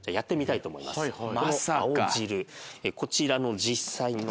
こちらの実際の。